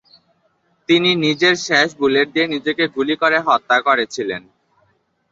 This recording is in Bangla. তিনি নিজের শেষ বুলেট দিয়ে নিজেকে গুলি করে হত্যা করেছিলেন।